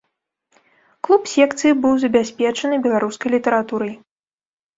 Клуб секцыі быў забяспечаны беларускай літаратурай.